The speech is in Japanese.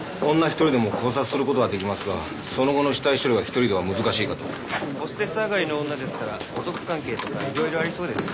一人でも絞殺することはできますがその後の死体処理は一人では難しいかとホステス上がりの女ですから男関係とかいろいろありそうですしね